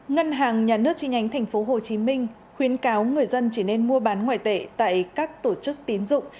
ngân hàng nhà nước chi nhánh tp hcm khuyến cáo người dân chỉ nên mua bán ngoại tệ tại các tổ chức tín dụng